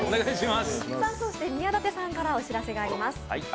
宮舘さんからお知らせがあります。